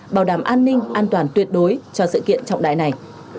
bảo đảm an ninh an toàn tuyệt đối cho sự kiện trọng đại này